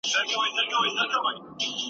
آیا تاسو د فاروق اعظم د ژوند داستان اوریدلی دی؟